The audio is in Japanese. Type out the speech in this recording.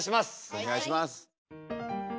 お願いします。